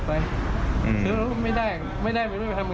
ไปฟ้องก็ฟ้องไม่ได้